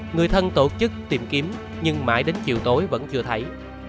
người thân tổ chức tìm kiếm nhưng mãi đến chiều tối vẫn chưa thấy